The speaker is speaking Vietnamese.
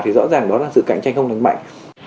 thì rõ ràng đó là sự cạnh tranh không lành mạnh